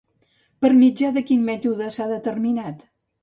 Per mitjà de quin mètode s'ha determinat?